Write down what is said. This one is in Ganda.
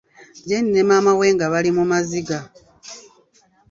Jeeni ne maama we nga bali mu maziga.